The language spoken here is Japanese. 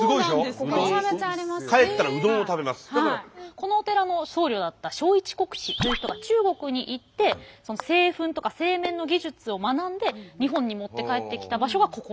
このお寺の僧侶だった聖一国師という人が中国に行って製粉とか製麺の技術を学んで日本に持って帰ってきた場所がここ。